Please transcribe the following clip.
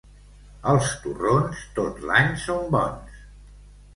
Els torrons tot l'any són bons.